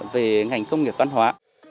về ngành công nghiệp văn hóa